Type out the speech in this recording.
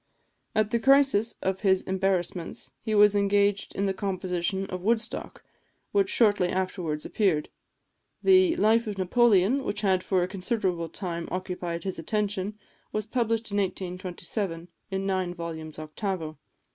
At the crisis of his embarrassments he was engaged in the composition of "Woodstock," which shortly afterwards appeared. The "Life of Napoleon," which had for a considerable time occupied his attention, was published in 1827, in nine vols. octavo.